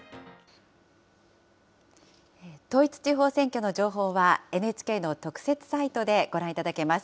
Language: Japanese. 統一地方選挙の情報は、ＮＨＫの特設サイトでご覧いただけます。